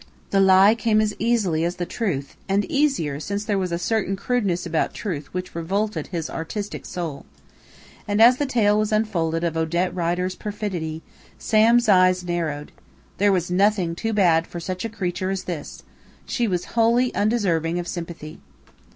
The lie came as easily as the truth, and easier, since there was a certain crudeness about truth which revolted his artistic soul. And as the tale was unfolded of Odette Rider's perfidy, Sam's eyes narrowed. There was nothing too bad for such a creature as this. She was wholly undeserving of sympathy.